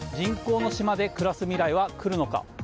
人口の島で暮らす未来は来るのか。